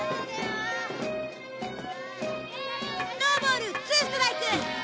ノーボールツーストライク！